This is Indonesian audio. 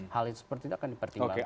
hal seperti itu akan dipertimbangkan